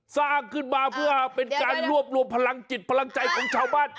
สร้างขึ้นมาเพื่อเป็นการรวบรวมพลังจิตพลังใจของชาวบ้าน